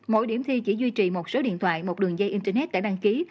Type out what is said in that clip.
mỗi điểm thi chỉ duy trì một số điện thoại một đường dây internet để đăng ký